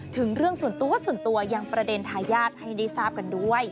ถึงเรื่องส่วนตัวส่วนตัวยังประเด็นทายาทให้ได้ทราบกันด้วย